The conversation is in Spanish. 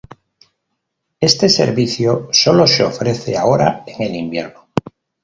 Este servicio sólo se ofrece ahora en el invierno.